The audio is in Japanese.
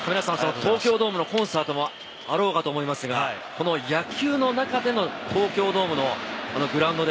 東京ドームのコンサートもあろうかと思いますが、野球の中での東京ドームのグラウンドで。